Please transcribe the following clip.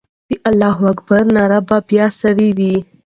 د الله اکبر ناره به بیا سوې وي.